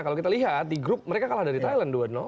kalau kita lihat di grup mereka kalah dari thailand dua